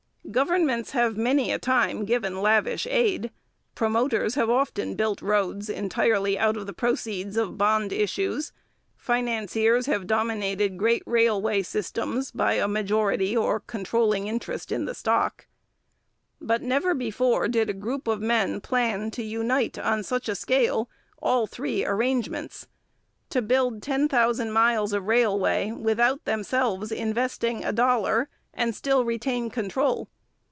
Governments have many a time given lavish aid, promoters have often built roads entirely out of the proceeds of bond issues, financiers have dominated great railway systems by a majority or controlling interest in the stock. But never before did a group of men plan to unite, on such a scale, all three arrangements to build ten thousand miles of railway without themselves investing a dollar and still retain control.